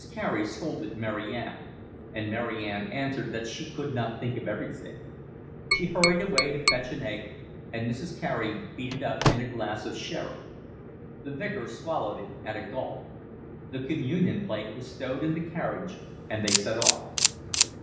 Carey scolded Mary Ann, and Mary Ann answered that she could not think of everything. She hurried away to fetch an egg, and Mrs. Carey beat it up in a glass of sherry. The Vicar swallowed it at a gulp. The communion plate was stowed in the carriage, and they set off.